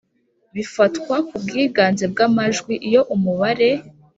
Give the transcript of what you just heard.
bifatwa ku bwiganze bw amajwi Iyo umubare